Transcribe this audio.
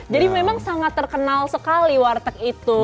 jadi memang sangat terkenal sekali warteg itu